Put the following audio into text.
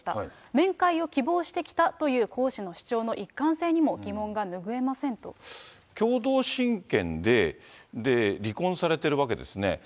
面会を希望してきたという江氏の主張の一貫性にも疑問が拭えませ共同親権で、離婚されてるわけですね。